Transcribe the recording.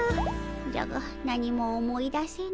じゃが何も思い出せぬ。